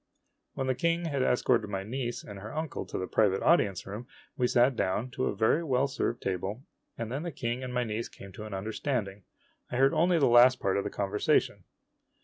O When the King had escorted my niece and her uncle to the private audience room, we sat down to a very well served table, and then the King and my niece came to an understanding. I heard only the last part of the conversation.